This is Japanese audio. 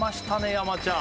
山ちゃん